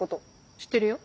知ってるよ。